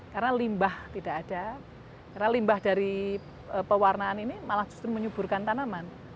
karena limbah tidak ada karena limbah dari pewarnaan ini malah justru menyuburkan tanaman